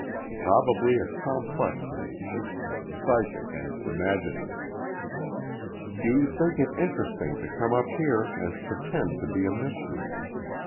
Probably a complex nature, psychic and imaginative. You think it interesting to come up here and pretend to be a mystery.